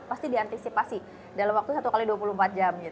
pasti diantisipasi dalam waktu satu x dua puluh empat jam